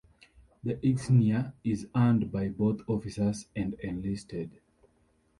The insignia is earned by both officers and enlisted.